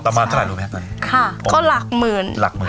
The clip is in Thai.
ประมาณกระดาษหนูแพบนั้นค่ะก็หลักหมื่นหลักหมื่น